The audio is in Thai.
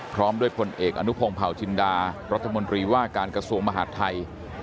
พร้อมด้วยพลเอกอนุพงศ์เผาจินดารัฐมนตรีว่าการกระทรวงมหาดไทย